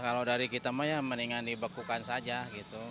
kalau dari kita mah ya mendingan dibekukan saja gitu